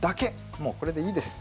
もう、これでいいです。